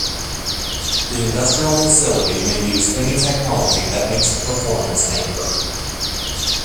The industrial facility may use any technology that meets the performance standard.